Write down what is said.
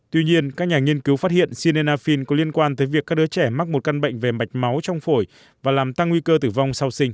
tuy nhiên các nhà nghiên cứu phát hiện sinafin có liên quan tới việc các đứa trẻ mắc một căn bệnh về mạch máu trong phổi và làm tăng nguy cơ tử vong sau sinh